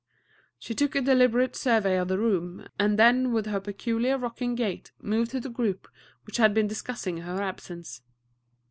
She took a deliberate survey of the room, and then with her peculiar rocking gait moved to the group which had been discussing her absence.